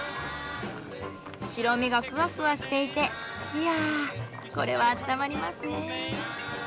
白身がふわふわしていていやこれはあったまりますね。